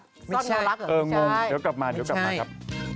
ซ่อนโรครักษ์เหรอไม่ใช่งงเดี๋ยวกลับมาครับ